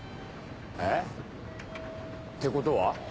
え？ってことは？